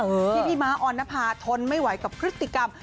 ที่พี่ม้าออนนภาทนไม่ไหวกับพฤติกรรม